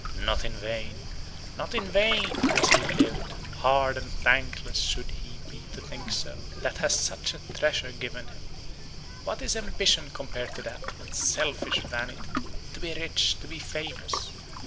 Not in vain not in vain has he lived hard and thankless should he be to think so that has such a treasure given him. What is ambition compared to that, but selfish vanity? To be rich, to be famous?